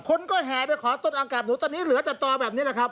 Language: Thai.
คนก็แห่ไปขอต้นอังกราบหนูตอนนี้เหลือแต่ต่อแบบนี้แหละครับ